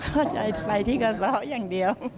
เข้าใจไปที่กระเลาะอย่างเดียว